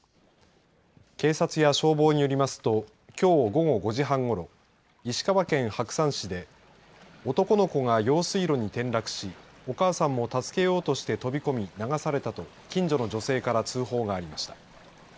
警察や消防によりますときょう午後５時半頃石川県白山市で男の子が用水路に転落しお母さんも助けようとして飛び込み流されたと近所の女性から通報がありました。